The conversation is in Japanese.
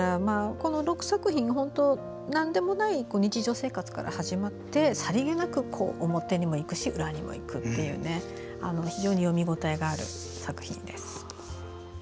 ６作品が、なんでもない日常生活から始まってさりげなく、表にもいくし裏にもいくっていう非常に読み応えがある作品です。